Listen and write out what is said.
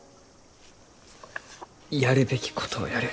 やるべきことをやる。